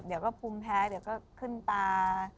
เดี๋ยวก็ภูมิแพ้เดี๋ยวก็ขึ้นตา